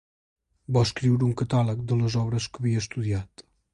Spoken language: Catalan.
Va escriure un catàleg de les obres que havia estudiat.